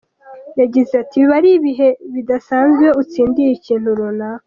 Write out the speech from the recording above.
Yagize ati “Biba ari ibihe bidasanzwe iyo utsindiye ikintu runaka.